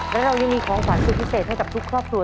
และเรายังมีของขวัญสุดพิเศษให้กับทุกครอบครัว